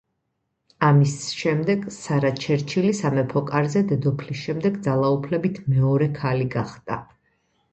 ამის შემდეგ სარა ჩერჩილი სამეფო კარზე დედოფლის შემდეგ ძალაუფლებით მეორე ქალი გახდა.